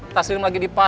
taslim lagi di pasok